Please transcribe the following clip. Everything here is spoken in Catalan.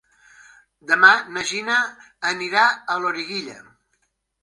Demà na Gina anirà a Loriguilla.